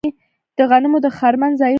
د غنمو د خرمن ځایونه شته.